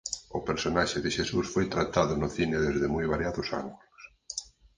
O personaxe de Xesús foi tratado no cine desde moi variados ángulos.